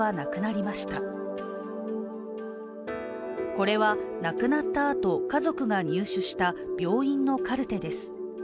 これは亡くなったあと、家族が入手した病院のカルテです。